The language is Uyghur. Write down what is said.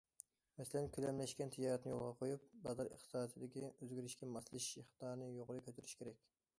مەسىلەن: كۆلەملەشكەن تىجارەتنى يولغا قۇيۇپ، بازار ئىقتىسادىدىكى ئۆزگىرىشكە ماسلىشىش ئىقتىدارىنى يۇقىرى كۆتۈرۈش كېرەك.